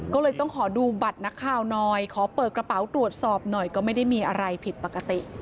ก็เลยต้องขอดูบัตรนักข่าวหน่อยขอเปิดกระเป๋าตรวจสอบหน่อยก็ไม่ได้มีอะไรผิดปกติ